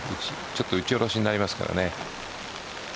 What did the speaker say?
ちょっと打ち下ろしになりますからね。